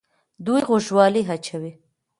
دوی غوږوالۍ اچولې